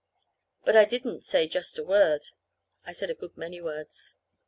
But I didn't say just a word. I said a good many words.